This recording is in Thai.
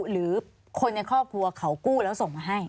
หรือคนในครอบครัวเขากู้แล้วส่งมาให้